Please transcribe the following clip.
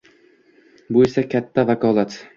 Bu esa katta vakolat.